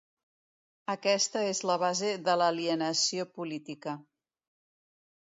Aquesta és la base de l’alienació política.